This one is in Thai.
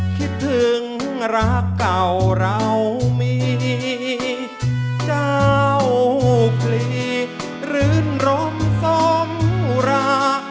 คิดถึงรักเก่าเรามีดีเจ้าพลีรื่นรมสมรา